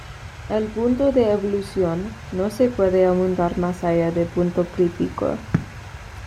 El punto de ebullición no se puede aumentar más allá del punto crítico.